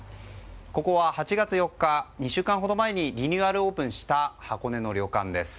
ここは８月４日２週間ほど前にリニューアルオープンした箱根の旅館です。